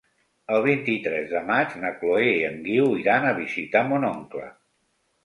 El vint-i-tres de maig na Chloé i en Guiu iran a visitar mon oncle.